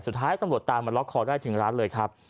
สุดท้ายตำรวจตามมาล็อกคอได้ถึงร้านเลยครับ